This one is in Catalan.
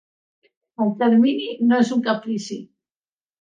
El termini no és un caprici.